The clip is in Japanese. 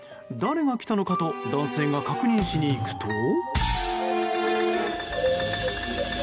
誰が来たのかと男性が確認しに行くと。